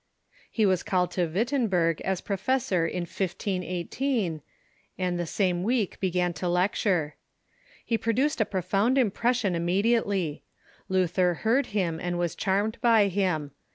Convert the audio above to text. '''' He was called to Wittenberg as professor in 1518, and the same week began to lecture. He produced a profound impression immediately. Luther heard him, and was charmed by him.